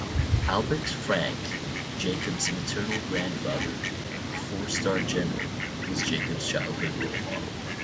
Albert Franck, Jacob's maternal grandfather, a four-star general, was Jacob's childhood role model.